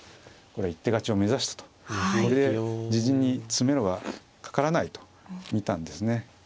これ一手勝ちを目指したということで自陣に詰めろがかからないと見たんですね。